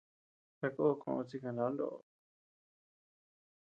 Sakó kos chi kana noʼo.